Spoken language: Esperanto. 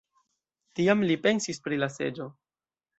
Tiam li pensis pri la seĝo.